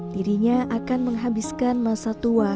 dirinya akan menghabiskan masa tua